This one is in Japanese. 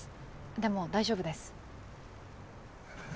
でも大丈夫です。